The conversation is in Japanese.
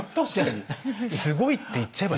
すごいって言っちゃえばすごいけど。